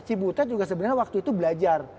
si butet juga sebenernya waktu itu belajar